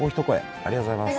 ありがとうございます。